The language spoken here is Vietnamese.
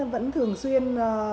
vẫn thường xuyên